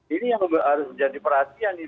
ini yang harus menjadi perhatian